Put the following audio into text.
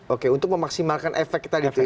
oke untuk memaksimalkan efek tadi